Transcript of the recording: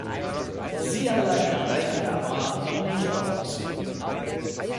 Sie allein reichen aber noch nicht aus.